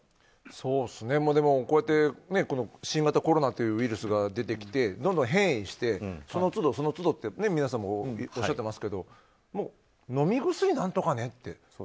こうやって新型コロナというウイルスが出てきてどんどん変異してその都度、その都度って皆さんもおっしゃていましたけど飲み薬を何とかねって。